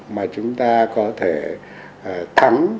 mà chúng ta có thể thắng